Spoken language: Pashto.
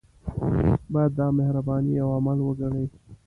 باید دا د مهربانۍ یو عمل وګڼي.